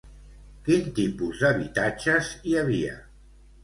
Quin tipus d'habitatges hi havia?